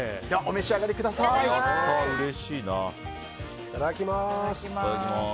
いただきます。